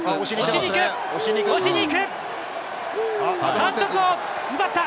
反則を奪った！